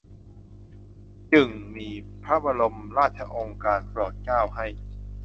จึ่งมีพระบรมราชโองการโปรดเกล้า ให้